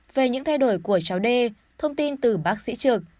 về những thay đổi của cháu d thông tin từ bác sĩ trực